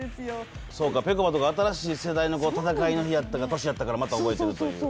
ぺこぱとか、新しい世代の戦いの年やったから、また覚えているという。